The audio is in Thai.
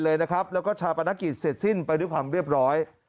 แล้วก็ชาปนกิจเสร็จสิ้นไปด้วยความเรียบร้อย